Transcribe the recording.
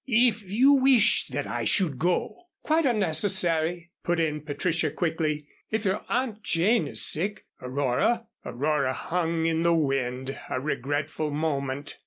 "If you wish that I should go " "Quite unnecessary," put in Patricia, quickly. "If your aunt Jane is sick, Aurora " Aurora hung in the wind a regretful moment.